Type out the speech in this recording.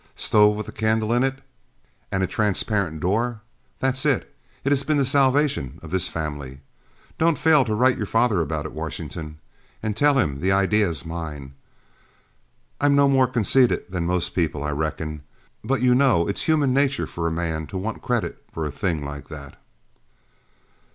Stove with a candle in it and a transparent door that's it it has been the salvation of this family. Don't you fail to write your father about it, Washington. And tell him the idea is mine I'm no more conceited than most people, I reckon, but you know it is human nature for a man to want credit for a thing like that."